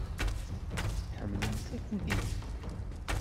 Tḥemmlemt takunin?